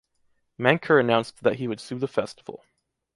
Manker announced that he would sue the festival.